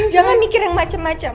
jangan mikir yang macam macam